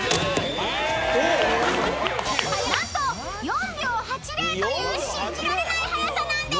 ［何と４秒８０という信じられないはやさなんです］